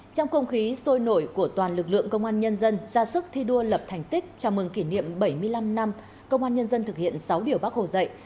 trong không khí sôi nổi của toàn lực lượng công an nhân dân ra sức thi đua lập thành tích chào mừng kỷ niệm bảy mươi năm năm công an nhân dân thực hiện sáu điều bác hồ dạy